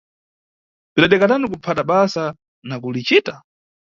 Bzidadeka tani kuphata basa na kulicita!